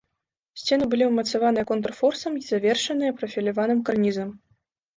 Сцены былі ўмацаваныя контрфорсамі і завершаныя прафіляваным карнізам.